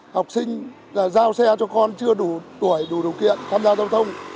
học sinh giao xe cho con chưa đủ tuổi đủ điều kiện tham gia giao thông